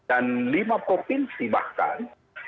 dan lima provinsi bahkan